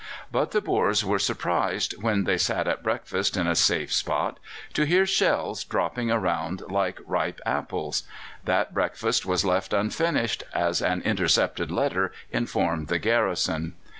But the Boers were surprised, when they sat at breakfast in a safe spot, to hear shells dropping around like ripe apples. That breakfast was left unfinished, as an intercepted letter informed the garrison.